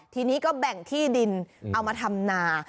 ทีนี้ก็แบ่งที่ดินเอามาทำนา